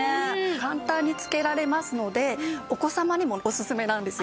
簡単につけられますのでお子様にもおすすめなんです。